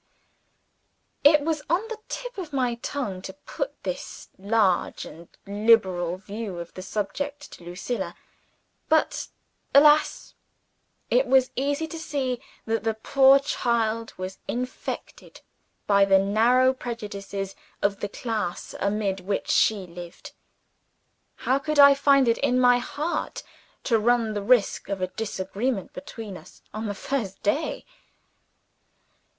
It was on the tip of my tongue to put this large and liberal view of the subject to Lucilla. But (alas!) it was easy to see that the poor child was infected by the narrow prejudices of the class amid which she lived. How could I find it in my heart to run the risk of a disagreement between us on the first day?